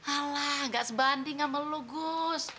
alah gak sebanding sama lo gus